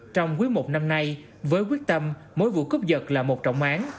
trong quý một năm nay với quyết tâm mỗi vụ cướp giật là một trọng án